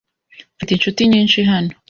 Mfite inshuti nyinshi hano.